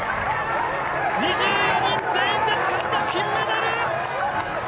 ２４人全員でつかみ取った金メダル！